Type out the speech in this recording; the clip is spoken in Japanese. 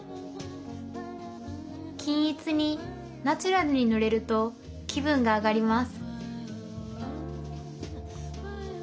均一にナチュラルに塗れると気分が上がります